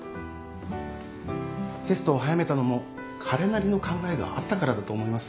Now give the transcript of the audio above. テストを早めたのも彼なりの考えがあったからだと思いますよ。